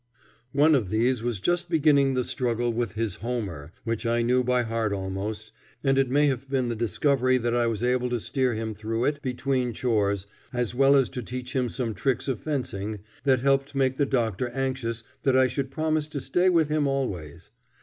One of these was just beginning the struggle with his Homer, which I knew by heart almost, and it may have been the discovery that I was able to steer him through it between chores, as well as to teach him some tricks of fencing, that helped make the doctor anxious that I should promise to stay with him always.